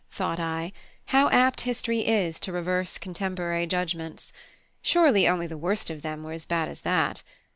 thought I, how apt history is to reverse contemporary judgments. Surely only the worst of them were as bad as that.